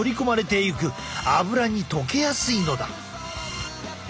アブラに溶けやすいのだ。